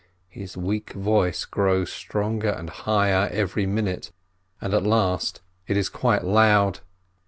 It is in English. His weak voice grows stronger and higher every minute, and at last it is quite loud.